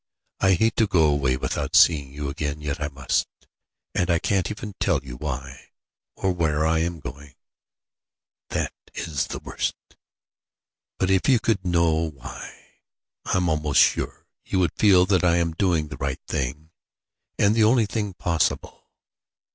I hate to go away without seeing you again, yet I must; and I can't even tell you why, or where I am going that is the worst. But if you could know why, I'm almost sure you would feel that I am doing the right thing, and the only thing possible.